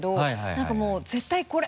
何かもう「絶対これ」